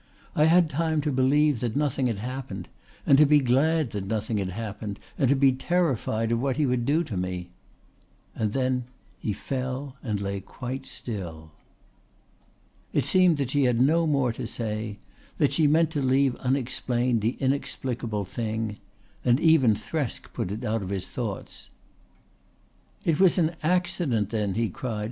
I had time to believe that nothing had happened, and to be glad that nothing had happened and to be terrified of what he would do to me. And then he fell and lay quite still." It seemed that she had no more to say, that she meant to leave unexplained the inexplicable thing; and even Thresk put it out of his thoughts. "It was an accident then," he cried.